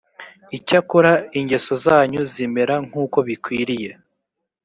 icyakora ingeso zanyu zimere nk uko bikwiriye